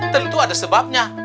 tentu ada sebabnya